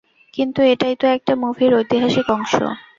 কিন্তু এটাই তো একটা মুভির ঐতিহাসিক অংশ।